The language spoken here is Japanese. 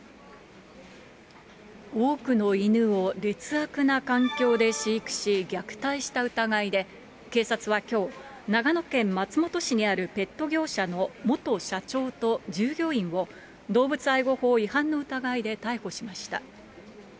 多くの犬を劣悪な環境で飼育し、虐待した疑いで、警察はきょう、長野県松本市にあるペット業者の元社長と従業員を、動物愛護法違反の疑いで逮捕しました。